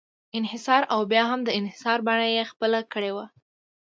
انحصار او بیا هم د انحصار بڼه یې خپله کړې وه.